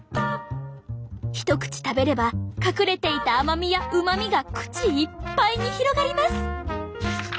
一口食べれば隠れていた甘みやうまみが口いっぱいに広がります。